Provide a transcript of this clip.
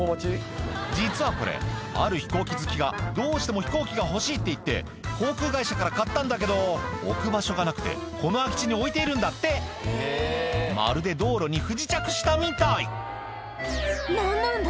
実はこれある飛行機好きがどうしても飛行機が欲しいっていって航空会社から買ったんだけど置く場所がなくてこの空き地に置いているんだってまるで道路に不時着したみたい何なんだ？